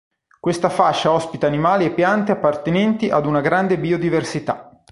Questa fascia ospita animali e piante appartenenti ad una grande biodiversità.